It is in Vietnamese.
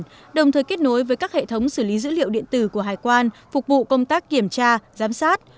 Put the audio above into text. hệ thống hải quan cũng được kết nối với các hệ thống xử lý dữ liệu điện tử của hải quan phục vụ công tác kiểm tra giám sát